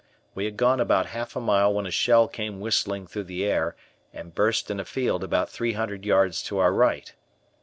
We had gone about half a mile when a shell came whistling through the air, and burst in a field about three hundred yards to our right.